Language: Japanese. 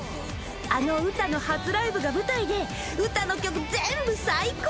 あのウタの初ライブが舞台でウタの曲全部最高なのよね。